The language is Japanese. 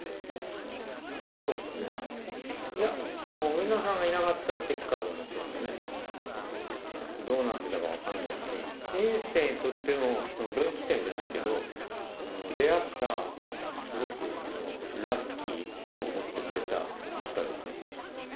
そうですね、いや、もう売野さんがいなかったら、チェッカーズもちょっとね、どうなっていたか分かんないし、人生にとっての分岐点じゃないけど、出会ったすごくラッキーをもってくれた方ですね。